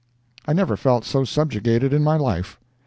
I never felt so subjugated in my life.